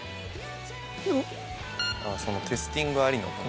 そのテスティングありの。